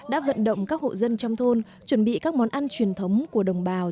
đã vận động các hộ dân trong thôn chuẩn bị các món ăn truyền thống của đồng bào